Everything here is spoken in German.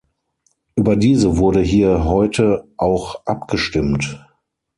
Über diese wurde hier heute auch abgestimmt.